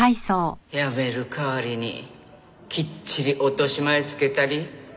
やめる代わりにきっちり落とし前つけたりぃ。